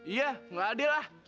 iya nggak adil lah